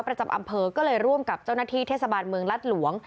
ประจำอำเภอก็เลยร่วมกับเจ้าหน้าที่เทศบาลเมืองรัฐหลวง